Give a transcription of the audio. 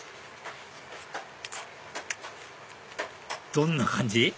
どんな感じ？